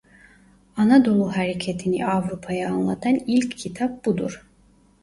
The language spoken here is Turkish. Anadolu hareketini Avrupa'ya anlatan ilk kitap budur.